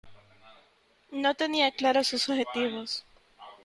No tenía claro sus objetivos.